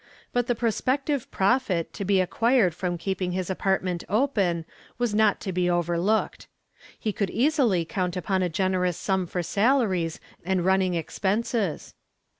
But the prospective "profit" to be acquired from keeping his apartment open was not to be overlooked. He could easily count upon a generous sum for salaries and running expenses.